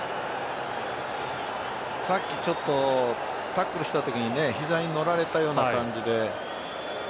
さっきタックルしたときに膝に乗られたような感じで。